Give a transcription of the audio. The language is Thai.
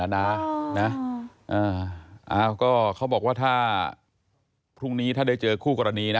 ต่างนั้นนะน่ะอ่าก็เขาบอกว่าถ้าพรุ่งนี้ถ้าได้เจอคู่กรณีน่ะ